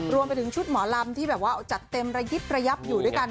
รวมไปถึงชุดหมอลำที่แบบว่าจัดเต็มระยิบระยับอยู่ด้วยกัน